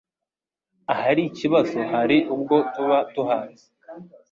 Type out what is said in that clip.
Ahari ikibazo hari ubwo tuba tuhazi,